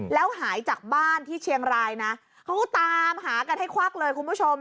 แล้วหายจากบ้านที่เชียงรายนะเขาตามหากันให้ควักเลยคุณผู้ชม